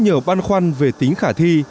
có nhiều băn khoăn về tính khả thi